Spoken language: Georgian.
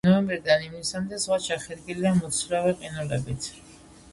ნოემბრიდან ივნისამდე ზღვა ჩახერგილია მოცურავე ყინულებით.